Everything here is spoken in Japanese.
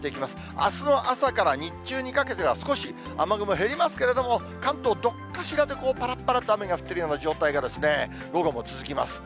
あすの朝から日中にかけては、少し雨雲減りますけれども、関東、どっかしらでぱらっぱらっと雨が降ってるような状態が、午後も続きます。